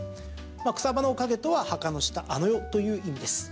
草葉の陰とは、墓の下、あの世という意味です。